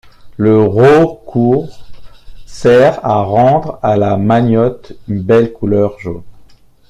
Le raucourt sert à rendre à la maniotte une belle couleur jaune.